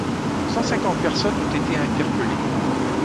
Cent-cinquante personnes ont été interpelées.